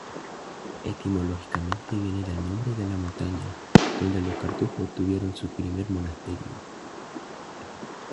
Etimológicamente viene del nombre de la montaña donde los cartujos tuvieron su primer monasterio.